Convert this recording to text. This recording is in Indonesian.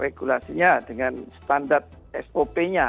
regulasinya dengan standar sop nya